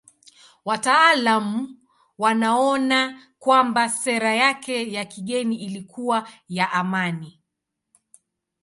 Wataalamu wanaona kwamba sera yake ya kigeni ilikuwa ya amani.